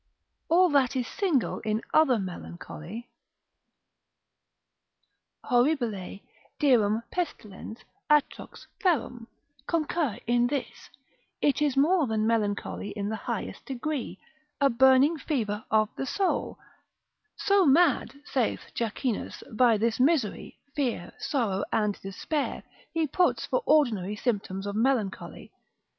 All that is single in other melancholy, Horribile, dirum, pestilens, atrox, ferum, concur in this, it is more than melancholy in the highest degree; a burning fever of the soul; so mad, saith Jacchinus, by this misery; fear, sorrow, and despair, he puts for ordinary symptoms of melancholy.